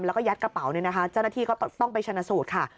แล้วก็ยัดกระเป๋าเนี่ยนะคะเจ้าหน้าที่ก็ต้องไปชนะสูตรค่ะ